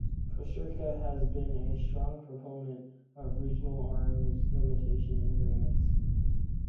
Costa Rica has been a strong proponent of regional arms-limitation agreements.